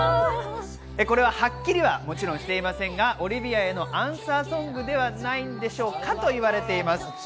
これははっきりはしていませんが、オリヴィアへのアンサーソングではないんでしょうかと言われています。